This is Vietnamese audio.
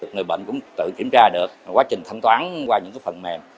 người bệnh cũng tự kiểm tra được quá trình thanh toán qua những phần mềm